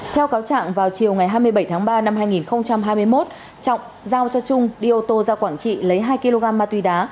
theo cáo trạng vào chiều ngày hai mươi bảy tháng ba năm hai nghìn hai mươi một trọng giao cho trung đi ô tô ra quảng trị lấy hai kg ma túy đá